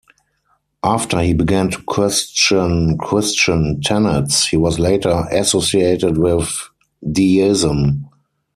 After he began to question Christian tenets he was later associated with Deism.